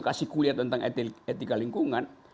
kasih kuliah tentang etika lingkungan